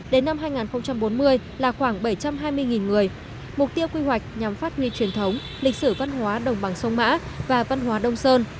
đến năm hai nghìn bốn mươi là khoảng bảy trăm hai mươi người mục tiêu quy hoạch nhằm phát huy truyền thống lịch sử văn hóa đồng bằng sông mã và văn hóa đông sơn